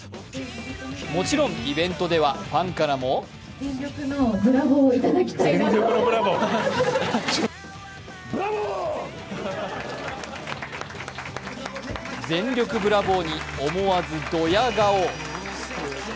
もちろんイベントではファンからも全力ブラボーに思わずドヤ顔。